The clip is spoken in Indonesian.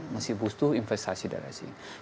masih butuh investasi dan asing